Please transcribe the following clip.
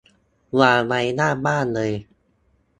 วางไว้หน้าบ้านเลย